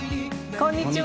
こんにちは。